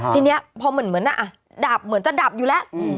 ทีนี้พอเหมือนดับเหมือนจะดับอยู่แล้ว